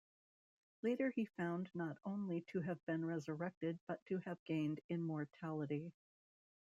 Later he found not only to have been resurrected but to have gained immortality.